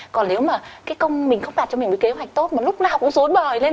còn nếu mà mình không đặt cho mình một cái kế hoạch tốt mà lúc nào cũng rối bời lên